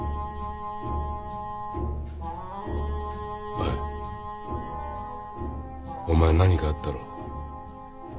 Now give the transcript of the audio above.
おいお前何かあったろう？